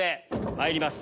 まいります